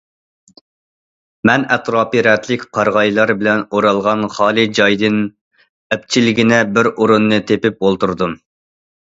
مەن ئەتراپى رەتلىك قارىغايلار بىلەن ئورالغان خالىي جايدىن ئەپچىلگىنە بىر ئورۇننى تېپىپ ئولتۇردۇم.